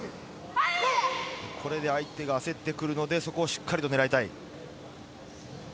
相手が焦ってくるのでそこをしっかり狙いたい。